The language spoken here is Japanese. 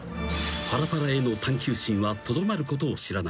［パラパラへの探求心はとどまることを知らない］